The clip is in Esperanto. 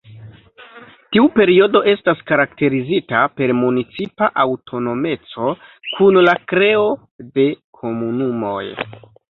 Tiu periodo estas karakterizita per municipa aŭtonomeco, kun la kreo de komunumoj.